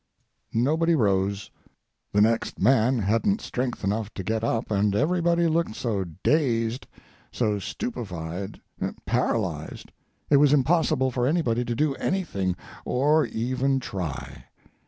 Nobody rose. The next man hadn't strength enough to get up, and everybody looked so dazed, so stupefied, paralyzed; it was impossible for anybody to do anything, or even try.